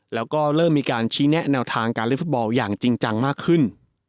แล้วก็เริ่มมีการชี้แนะแนวทางการเล่นฟุตบอลอย่างจริงจังมากขึ้น